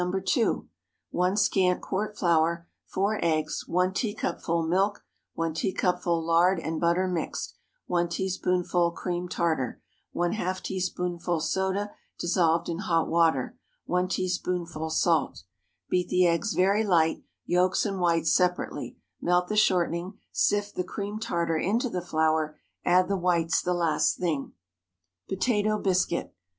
(No. 2.) ✠ 1 scant quart flour. 4 eggs. 1 teacupful milk. 1 teacupful lard and butter mixed. 1 teaspoonful cream tartar. ½ teaspoonful soda, dissolved in hot water. 1 teaspoonful salt. Beat the eggs very light, yolks and whites separately, melt the shortening, sift the cream tartar into the flour; add the whites the last thing. POTATO BISCUIT.